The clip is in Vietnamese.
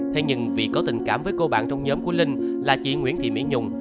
thế nhưng vì có tình cảm với cô bạn trong nhóm của linh là chị nguyễn thị mỹ nhung